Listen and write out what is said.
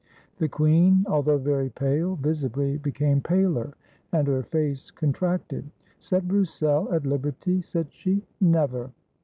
The queen, although very pale, visibly became paler, and her face contracted. "Set Broussel at liberty!" said she; "never!"